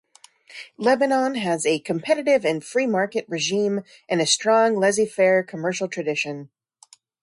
Lebanon has a competitive and free market regime and a strong laissez-faire commercial tradition.